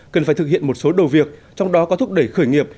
cần phải thực hiện một số đầu việc trong đó có thúc đẩy khởi nghiệp